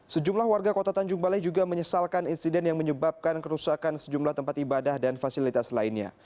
sejumlah warga kota tanjung balai juga menyesalkan insiden yang menyebabkan kerusakan sejumlah tempat ibadah dan fasilitas lainnya